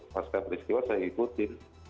pas saya beristiwa saya mengikuti